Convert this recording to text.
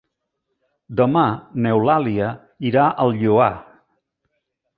Demà n'Eulàlia irà al Lloar.